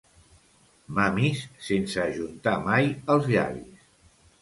Mamis sense ajuntar mai els llavis.